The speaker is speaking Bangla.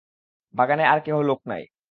বাগানে আর কেহ লোক নাই।